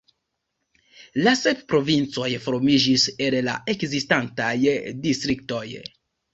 La sep provincoj formiĝis el la ekzistantaj distriktoj.